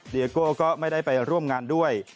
โก้ก็ไม่ได้ไปร่วมงานด้วย